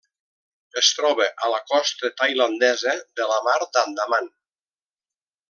Es troba a la costa tailandesa de la Mar d'Andaman.